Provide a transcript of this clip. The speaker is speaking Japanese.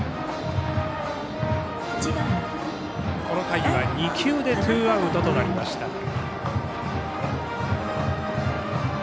この回は２球でツーアウトとなりました。